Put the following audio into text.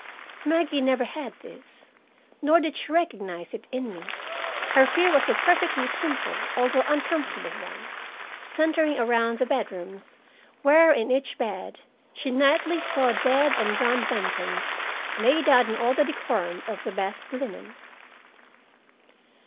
Maggie never had this, nor did she recognize it in me. Her fear was a perfectly simple although uncomfortable one, centering around the bedrooms where, in each bed, she nightly saw dead and gone Bentons laid out in all the decorum of the best linen.